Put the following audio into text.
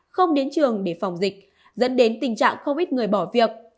không đến trường để phòng dịch dẫn đến tình trạng không ít người bỏ việc